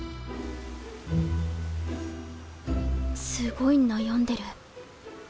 すごい悩んでる